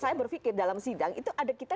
saya berpikir dalam sidang itu ada kita